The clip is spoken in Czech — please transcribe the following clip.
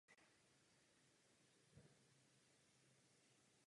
Skládala hudbu pro film i televizi.